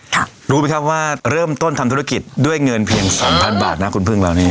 รู้ไหมครับว่าเริ่มต้นทำธุรกิจด้วยเงินเพียงสองพันบาทนะคุณพึ่งเหล่านี้